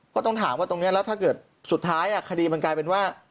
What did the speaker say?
ก็ต้องถามว่าตรงนี้แล้วถ้าเกิดสุดท้ายคดีมันกลายเป็นว่า